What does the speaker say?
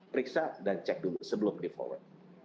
periksa dan cek dulu sebelum di forward